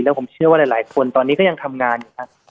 แล้วผมเชื่อว่าหลายคนตอนนี้ก็ยังทำงานอยู่ครับ